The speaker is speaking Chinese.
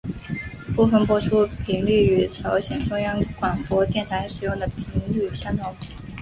部分播出频率与朝鲜中央广播电台使用的频率相同。